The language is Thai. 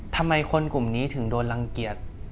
ทำไมคนกลุ่มนี้ถึงโดนรังเกียจ